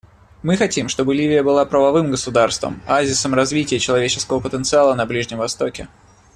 Мы хотим, чтобы Ливия была правовым государством, оазисом развития человеческого потенциала на Ближнем Востоке.